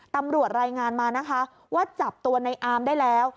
ตำรวจรายงานมานะคะว่าจับตัวในอามได้แล้ว